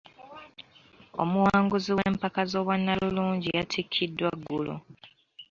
Omuwanguzi w'empaka z'obwannalulungi yatikkiddwa ggulo.